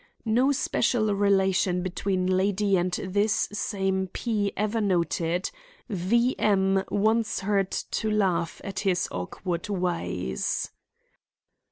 No especial relation between lady and this same P. ever noted. V. M. once heard to laugh at his awkward ways.